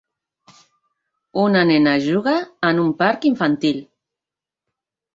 Una nena juga en un parc infantil